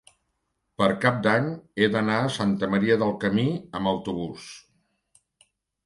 Per Cap d'Any he d'anar a Santa Maria del Camí amb autobús.